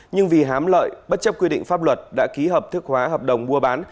nhưng vì hám lợi bất chấp quy định pháp luật đã ký hợp thức hóa hợp đồng mua bán